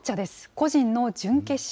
個人の準決勝。